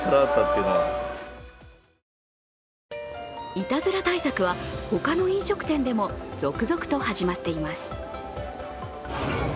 いたずら対策は他の飲食店でも続々と始まっています。